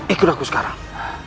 ikut aku sekarang